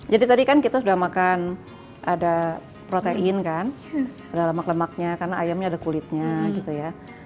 jadi tadi kan kita sudah makan ada protein kan ada lemak lemaknya karena ayamnya ada kulitnya gitu ya